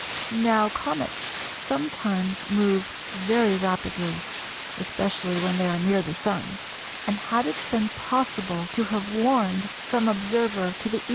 Now comets sometimes move very rapidly (especially when they are near the Sun), and had it been possible to have warned some observer to the E.